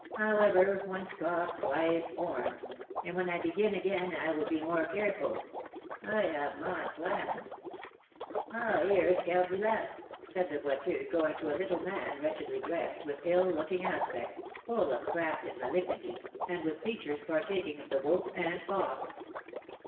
However, once caught twice warned; and when I begin again I will be more careful, I have my plan." "Ah, here's Cardillac!" said the Boiteux, going to a little man wretchedly dressed, with ill looking aspect, full of craft and malignity, and with features partaking of the wolf and fox.